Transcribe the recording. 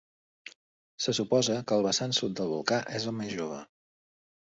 Se suposa que el vessant sud del volcà és el més jove.